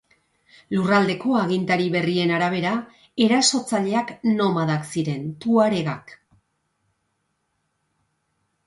Lurraldeko agintari berrien arabera, erasotzaileak nomadak ziren, tuaregak.